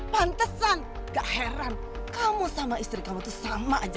pantesan gak heran kamu sama istri kamu itu sama aja